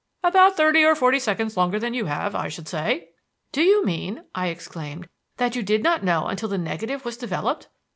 "About thirty or forty seconds longer than you have, I should say." "Do you mean," I exclaimed, "that you did not know until the negative was developed?"